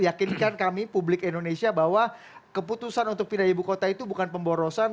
yakinkan kami publik indonesia bahwa keputusan untuk pindah ibu kota itu bukan pemborosan